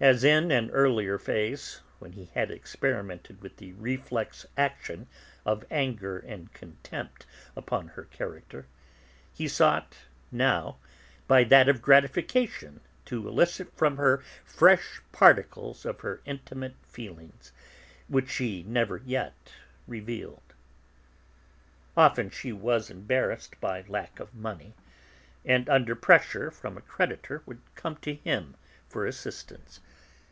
As in an earlier phase, when he had experimented with the reflex action of anger and contempt upon her character, he sought now by that of gratification to elicit from her fresh particles of her intimate feelings, which she had never yet revealed. Often she was embarrassed by lack of money, and under pressure from a creditor would come to him for assistance.